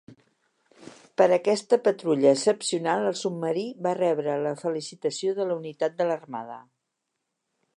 Per aquesta patrulla excepcional el submarí va rebre la Felicitació de la Unitat de l'Armada.